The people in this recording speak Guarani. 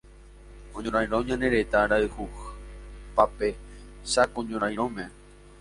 Oñorairõ ñane retã rayhupápe Chako ñorairõme.